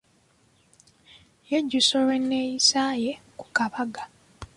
Yejjusa olw'enneeyisa ye ku kabaga.